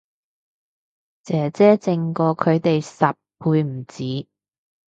姐姐正過佢哋十倍唔止